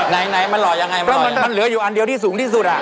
ไหนมันหล่อยังไงเพราะมันเหลืออยู่อันเดียวที่สูงที่สุดอ่ะ